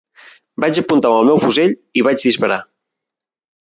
Vaig apuntar amb el meu fusell i vaig disparar